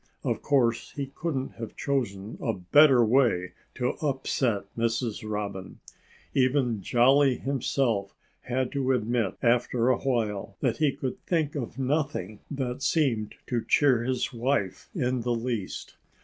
Of course he couldn't have chosen a better way to upset Mrs. Robin. Even Jolly himself had to admit after a while that he could think of nothing that seemed to cheer his wife in the least.